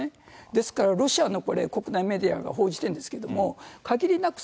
ですからロシアのこれ、国内メディアが報じてるんですけれども、限りなく